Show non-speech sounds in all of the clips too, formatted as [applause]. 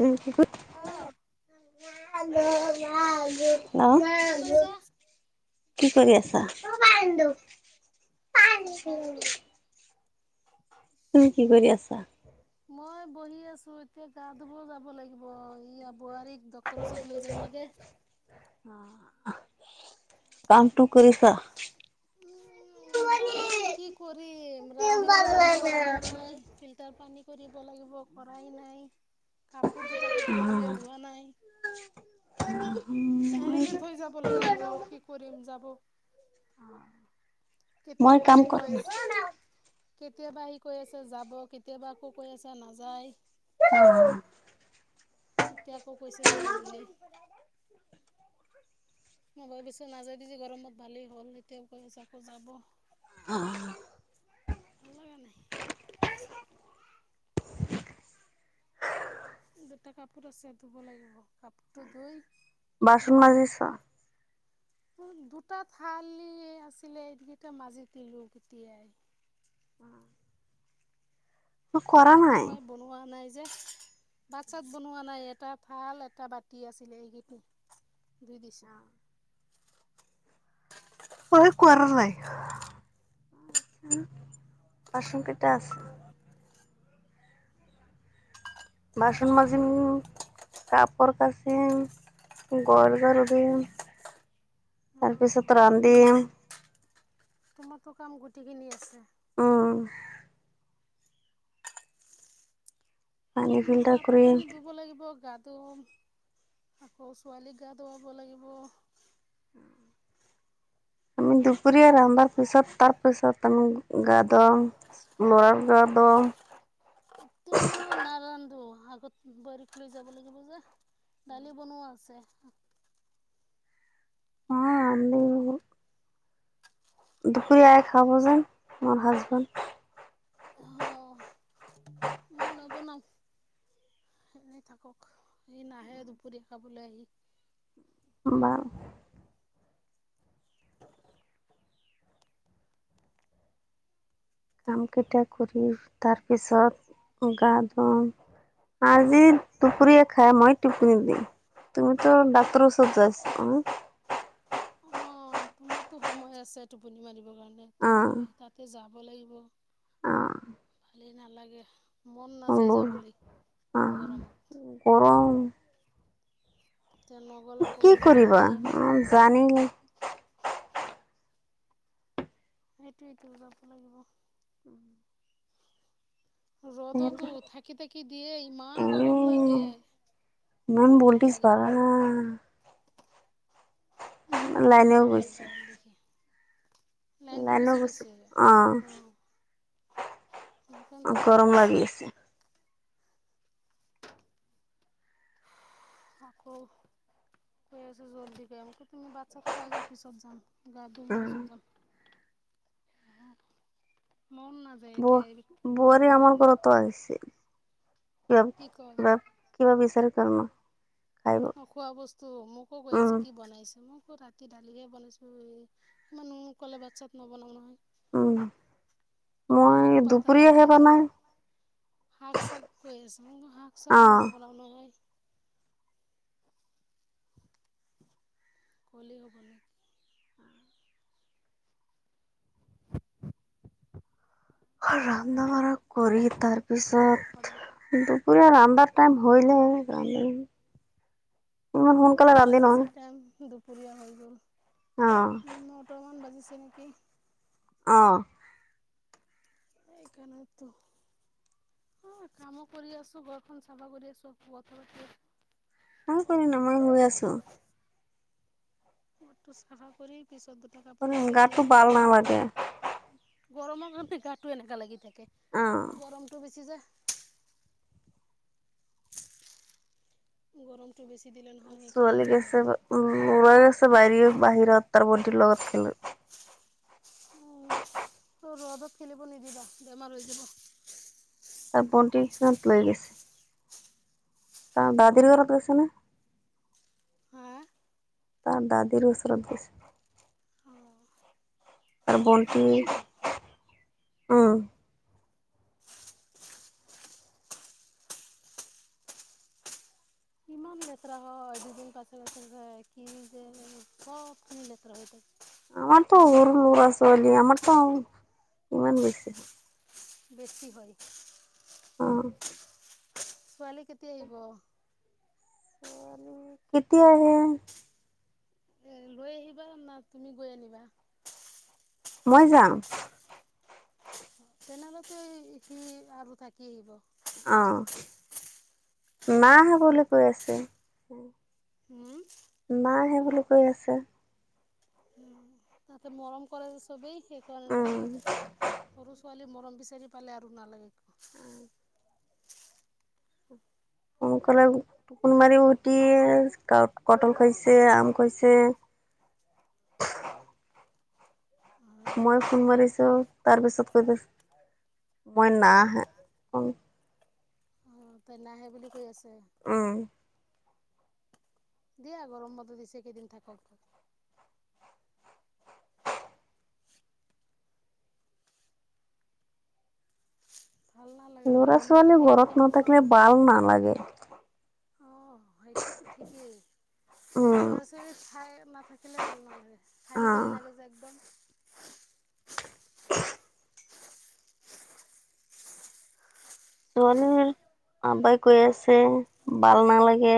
উম। অহ। ম নে [unintelligible] কি হেল্ল', কৈছা? কি কৰি আছা? অ ন [unintelligible] তুমি কি কৰি আছা? মই বহি আছো এতিয়া গা ধুব যাব লাগিব ইয়াত। বোৱাৰীক ডক্টৰ ওচৰত লৈ যাব লাগে। অহ কামটো কৰিছ। অ কাম কি কৰিম ৰান্ধিব লাগিব ৰান্ধা নাই ফিল্টাৰ পানী কৰিব লাগী [inaudible] কাপোৰ দুটা ধুব লাগে ধোৱা নাই। এনেকে থৈ যাব লাগিব কি কৰিম যাব। অ', মই কেতিয়াবা কাম সি কৰো কয় নেকি? কেতিয়াবা সি কৈ আছে যাব কেতিয়াবা আকৌ কৈ আছে নাযায়। [unintelligible] এতিয়া আকৌ কৈছে যাব বুলি। মই ভাবিছো নাযায় দিজি গৰমত ভালেই হ'ল এতিয়াও কৈ আছ আকৌ যাব। অ', [unintelligible] নাই দুটা কাপোৰ আছে ধুব লাগিব কাপোৰটো ধুই বাচন গা ধুম মাজিছ? [inaudible] দুটা ঠালি আছিলে এইকেইটা মাজি দিলো কেতিয়াই। মই কৰা নাই। ৰাতিমই বনোৱা নাইযে যে ভাত চাত বনোৱা নাই এটা থাল এটা বাতি আছিলে এইকেইটাই। দুই দিছো। [unintelligible] কুৱা নহয়। [unintelligible] বাচন কেইটা আছে? বাচন মাজিম কাপোৰ কাচিম গৰ ঝাৰু দিম। [inaudible] তাৰপিছত ৰান্ধিম তোমাৰটো কাম গুটেইখিনি আছে। উম। পানী মই ফিল্টাৰ কাপোৰ কৰিম। কানি ধুব লাগিব গা ধুম আকৌ ছোৱালীক গা ধুৱাব লাগিব। আমি দুপুৰীয়া এইটোৱে ৰান্ধাৰ পিছত তাৰ পাছত তামোক গা ধুৱাম লৰাক ধোৱাব। এতিয়া মই নাৰান্ধো আগত বোৱাৰীক লৈ যাব লাগিব যে। দালি বনোৱা আছে। অহ আমি বোলো দুপুৰীয়া খাব যাম মোৰ হাজবেণ্ড। [inaudible] নৱনাও। এনে থাকক স নাহে দুপৰীয়া খাবলৈ আহি। বা কামকেইটা কৰি তাৰপিছত গা ধুম। আজি দুপৰীয়া খাই মই টোপনি দিম। তুমি ত ডাক্তৰ ওচৰত যাই আছে তোমাকতো সময় আছে টোপনি মাৰিবৰ কাৰণে অ এতিয়া মই তাতে যাব লাগিব। অ ভালেই নালাগে। মন নাযায় মোৰ যাবলে অ গৰমত। গৰম এতিয়া নগ'লেও ক'ব কি যোৱা কৰিবা নাই উ জানিলে? সেইটোৱেটো যাব লাগিব। এ ৰ'দতো থাকি থাকি দিয়ে ইমান গৰম লাগে। ইমান ভাল ভলটিছ নালাগে। বাড়া না ভাল লাইনে নালাগে গৈছি। গৰম দেখি। লাইনটো গুচি গৈছে অ'। সেইকাৰণেতো গৰম বেছি লাগি আছে। আকৌ কই আছোঁ জলদি কে তুমি ভাত-চাত খোৱা গৈ পিছত যাম গা ধুম অ পিছত যাম। মন নাযায় ব এতিয়া এই বোৱাৰী দৌৰিবৰ আমাৰ কাৰণে ঘৰতো আহিছিল। কি কয় [unintelligible] কিবা বিচাৰ কৰ্ম। অ' খোৱা বস্তু মোকো কৈ আছে, কি বনাইছে মোক। আকৌ ৰাতি দালিহে বনাইছো, [unintelligible] ক'লে ভাত-চাত নবনাও নহয়। আহ। মই দুপুৰীয়া আহে পাম আ। শাক-চাক কৈ আছে মই বোলো শাক-চাক অ নবনাও নহয়। কলেই হ'ব নে। ৰন্ধা বঢ়া আৰু কৰি তাৰপিছত দুপৰীয়া ৰান্ধাৰ টাইম হয় গ'ল। ইমান সোনকালে ভাত [unintelligible] দুপুৰীয়া হৈ গ'ল নটামান বাজিছে নেকি। আহ। এইকাৰণেতো অ' কামো কৰি আছো ঘৰখন চাফা কৰি আছো কথা পতি আ [unintelligible] ঘৰটো চাফা কৰি পিছত দুটা কাপোৰ আছে গাটো ধুই ভাল নহয় দে গৰমৰ কাৰণে গাটো এনেকুৱা লাগি থাকে অ গৰমটো বেছি যে গৰম ছোৱালী গ আছে উম গ আছে বাইীও বাহিৰত তাৰ বডিৰ লগত খেলোঁ উম ত ৰ'দত খেলিব নিদিবা বেমাৰ হৈ যাব। তাৰ বন্তিখনত লৈ গৈছে ত বাহাদিৰ ৰ'দ লগত গৈছে না হা তাৰ দাদিৰোও ওচৰতে গৈছে। অঁ আৰু বটি থাকিলেই কি উম। ইমান লেতেৰা হয় দুদিন পাছৰছ কি যে চবখিনি লেতেৰা হৈ থাক। [inaudible] বেছি হয়। অ' ছোৱালী কেতিয়া আহিব? ছোৱালী কেতিয়া আহে এ লৈ আহিবা না তুমি গৈ আনিবা? মই যাম। তেনেহলে [unintelligible] আৰু থাকি আহিব। অ', মা আহোঁ বুলি কৈ আছে। হম। কি কৰি আছে? তাতে মৰম কৰে চবেই সেইকাৰণে উম নাহে সৰু ছোৱালী ম বিচাৰি পালে নহ'ল কেইক সোনকালে টকোন মাৰি উঠি ক কটল খাইছে আম খৈছে [unintelligible] মই ফোন মাৰিছো তাৰ পিছত কৈ দিছো মই না নাই বুলি কৈছো। উম দিয়া গৰম বন্দ দিছে কেইদিন থাকক। ভাল নালাগে লৰা গৰমত ছোৱালী একো কাম ঘৰত নাথাকিলে ভাল নালাগে। অ', সেইটোতো ঠিকেই, উম ল'ৰা ছোৱালী থাই মা থাকিলে ভাল নালাগে, অ খালি খালি লাগে যে একদম। [inaudible] ছোৱালীৰ আাব্বাই কৈ আছে, বাল নালাগে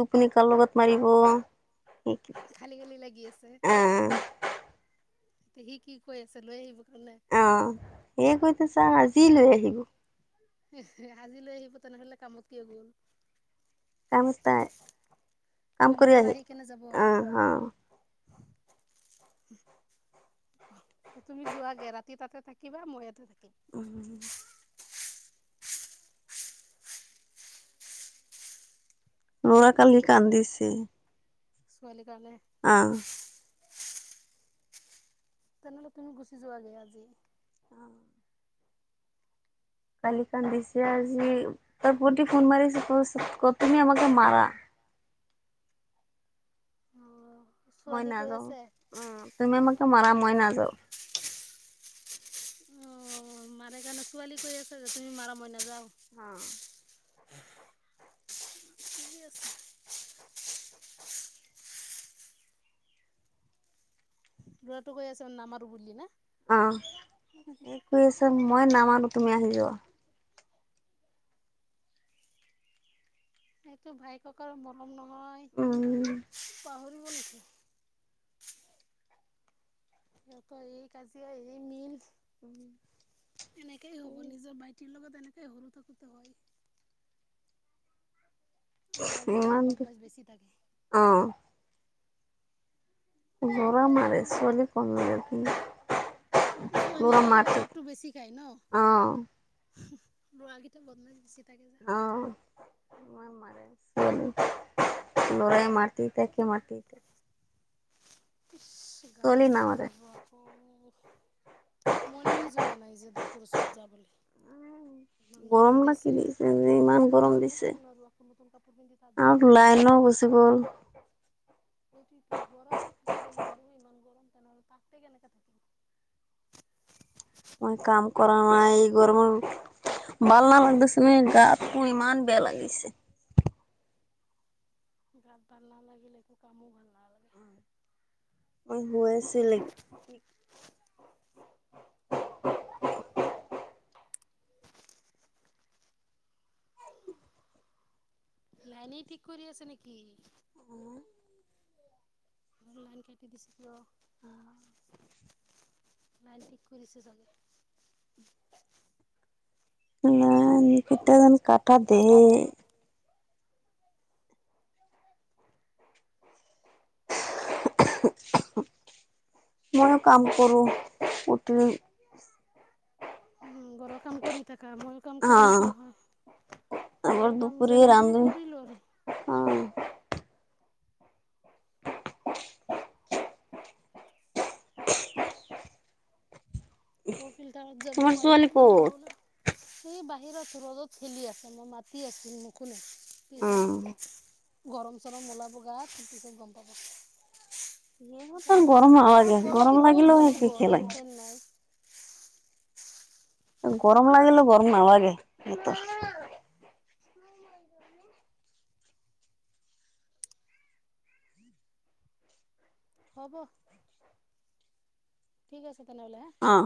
টোপনি কাৰ লগত মাৰিব অ' খালি খালি লাগি আছে সি কি কৈ আছে লৈ আহিব? কাৰণে অ', সি কৈ থৈছে আজিয়ে লৈ আহিব। ইচ, আজি লৈ আহিব তেনেহলে কামত কিয় গল? কামৰ পৰা আহি কেনে যাব [inaudible] [inaudible] তুমি যোৱাগে, ৰাতি তাতে থাকিবা, মই ইয়াতে থাক উম ল'ৰা কালি কান্দিছে ছোৱালীৰ কাৰণে? অ তেনেহ'লে তুমি গুচি যোৱাগে আজি। অ' কালি কান্দিছে আজি মই ভন্তীক ফোন মাৰিছো, কৈছে ক‌ তুমি আমাকে মাৰা। [inaudible] অ মই ছোৱালী কৈ নাযাওঁ, আছে উম, তুমি আমাকে মাৰা, মই নাযাওঁ। অ', মাৰা কাৰণে ছোৱালী কৈ আছে যে তুমি মাৰা মই নাযাওঁ। অ' [inaudible] লৰাটো কৈ আছে নামাৰো বুলি না? অ', ই কৈ‌ আছে‌ মই নামানো তুমি আহি যোৱা। সেইটো ভাই ককাইৰ মৰম ন? উম [inaudible] সিহঁতৰ এই কাজিয়া, এই মিল এনেকেই হ'ব, নিজৰ ভাইটিৰ লগত এনে এই সৰু থাকোঁতে হয়। ল'ৰাকেইটা ইমানটো বদমাছ বেছি থাকে অহ, গৰা মাৰে ছোৱালী [unintelligible] ল'ৰা ছোৱালীয়ে মাৰতে মাৰটো বেছি খায় ন। অ লৰা কেইটা বটমাছ বেছি। থাকে যে অ [unintelligible] লৰাই মাৰতি থাকে মাৰতি ইচ্ গা ধুব নামাৰে লাগিব আকৌ মনে যোৱা নাই যে তোৰ‌ ওচৰত যাবলৈ ইমান গৰম না কি দিছে, ইমান গৰম ঘৰত দিছে থাকিব নোৱাৰোঁ, আকৌ নতুন কাপোৰ পিন্ধি তাত যাম কেনেকৈ। অ' গুচি গ'ল সেইটো তো, ঘৰতে থাক থাকিব নোৱাৰোঁ ইমান গৰম, তেনেহলে তাতে কেনেকে থাকিম মই কাম কৰা নাই, এই গৰমৰ ভাল নালাগে দে চোন, গাতো ইমান বেয়া লাগিছে গাত ভাল নালাগিলে একো কামো ভাল নালাগে মই গোৱাই আছিলেগ [unintelligible] লাইনেই ঠিক কৰি আছে নেকি লাইন কাটি দিছে কিয় লাইন ঠিক কৰিছে চাগে [unintelligible] [unintelligible] ময়ো কাম কৰো উঠি উম ঘৰৰ কাম কৰি থাকা ময়ো কাম কৰি আছো নহয় ঘৰৰ আমাৰ কাম দূপৰিয়া যেনে তেনে ৰান্ধো কৰিলোঁ আৰু অ [unintelligible] ক ফিলতাৰত যাব তোমাৰ পানী ছোৱালী মোক ভৰাব ক'ত না সেই বাহিৰত ৰ'দত খেলি আছে মই মাতি আছিলো নোশুনে কি অ চব গৰম চৰম ওলাব গাত পিছত হে গম পাব সিহতৰ পতাই গৰম নহয় নালাগে ঘৰতে গৰম ক'ত লাগিলেও বহিব সেতি লাইন খেলে চাইন নাই গৰম লাগিলেও গৰম নালাগে সিহঁতৰ হব ঠিক আছে তেনেহলে হে অ